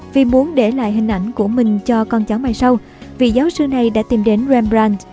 vì muốn để lại hình ảnh của mình cho con chó mai sau vị giáo sư này đã tìm đến rembrandt